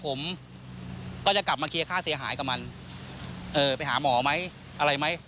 พี่ก็จะกลับมาเคลียร์ค่าเสียหายกับมันไปหาหมอมั้ยอะไรมั้ย